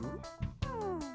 うん。